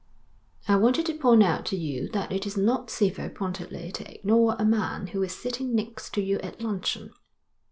'I wanted to point out to you that it is not civil pointedly to ignore a man who is sitting next to you at luncheon.'